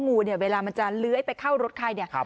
งูเวลามันจะเลิ้วไปเข้ารถใคร